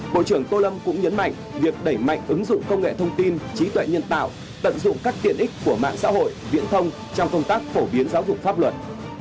bộ trưởng tô lâm cũng nhấn mạnh việc đẩy mạnh ứng dụng công nghệ thông tin trí tuệ nhân tạo tận dụng các tiện ích của mạng xã hội viễn thông trong công tác phổ biến giáo dục pháp luật